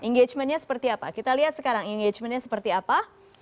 engagementnya seperti apa kita lihat sekarang engagementnya seperti apa